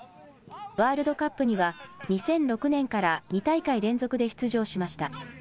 ワールドカップには２００６年から２大会連続で出場しました。